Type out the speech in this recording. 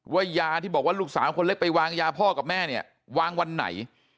ยาที่บอกว่าลูกสาวคนเล็กไปวางยาพ่อกับแม่เนี่ยวางวันไหน